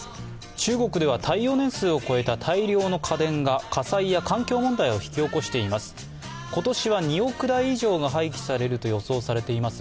中国では耐用年数を超えた、大量の家電が火災や環境問題を引き起こしています。